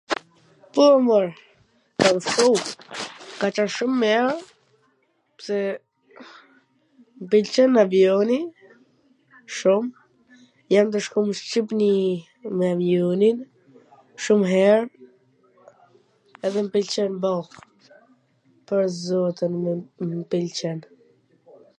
Po mor, kam udhtu, ka qwn shum mir, pse m pwlqen avjoni shum, jam tu shku n Shqipni me avjonin shum her edhe m pwlqen boll, pwr zotin mu m pwlqen.